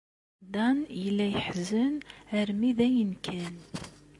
Dan yella yeḥzen armi d ayen kan.